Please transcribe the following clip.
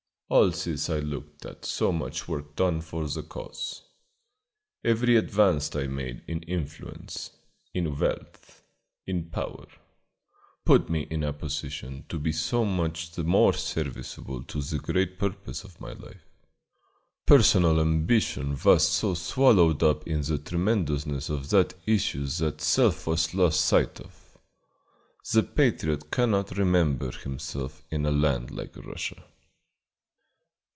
All this I looked at as so much work done for the cause. Every advance I made in influence, in wealth, in power, put me in a position to be so much the more serviceable to the great purpose of my life. Personal ambition was so swallowed up in the tremendousness of that issue that self was lost sight of. The patriot cannot remember himself in a land like Russia.